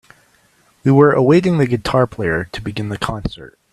We were awaiting the guitar player to begin the concert.